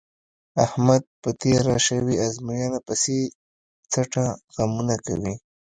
احمد په تېره شوې ازموینه پسې څټه غمونه کوي.